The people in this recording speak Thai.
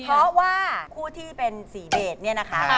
เพราะว่าคู่ที่เป็นสีเดชเนี่ยนะคะ